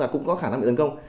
cũng có khả năng bị tấn công